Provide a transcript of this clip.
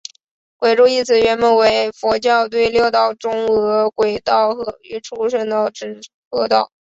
鬼畜一词原本为佛教对六道中饿鬼道与畜生道之合称。